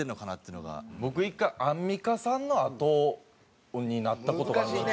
僕１回アンミカさんのあとになった事が。